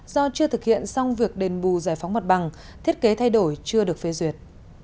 do chưa thực hiện xong việc đền bù giải phóng mặt bằng thiết kế thay đổi chưa được phê duyệt